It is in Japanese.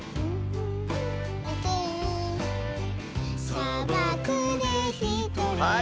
「さばくでひとり」